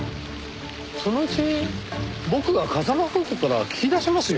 そのうち僕が風間楓子から聞き出しますよ。